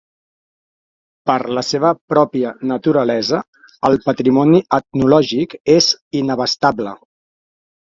Per la seva pròpia naturalesa, el patrimoni etnològic és inabastable.